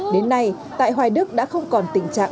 đến nay tại hoài đức đã không còn tình trạng